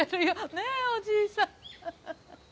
ねえおじいさん。